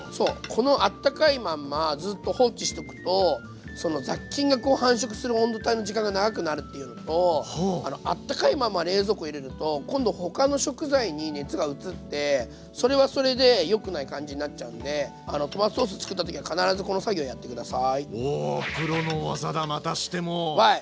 このあったかいまんまずっと放置しとくと雑菌がこう繁殖する温度帯の時間が長くなるっていうのとあったかいまま冷蔵庫入れると今度他の食材に熱が移ってそれはそれでよくない感じになっちゃうんでトマトソースつくった時は必ずこの作業やって下さい。